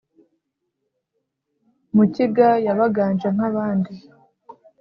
mukiga yabaganje nk'abandi